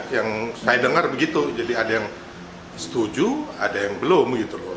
yang saya dengar begitu jadi ada yang setuju ada yang belum gitu loh